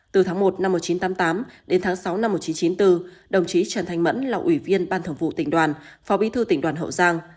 từ tháng một năm một nghìn chín trăm tám mươi tám đến tháng sáu năm một nghìn chín trăm chín mươi bốn đồng chí trần thanh mẫn là ủy viên ban thường vụ tỉnh đoàn phó bí thư tỉnh đoàn hậu giang